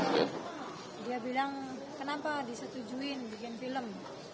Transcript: dia bilang kenapa disetujuin bikin film